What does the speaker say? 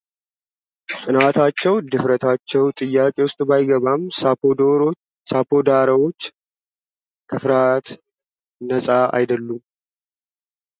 ጽናታቸው ድፍረታቸው ጥያቄ ውስጥ ባይገባም ሳፖዶራዎች ከፍርሃት ነጻ አይደሉም።